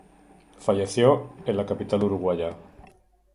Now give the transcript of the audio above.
Falleció en la capital uruguaya.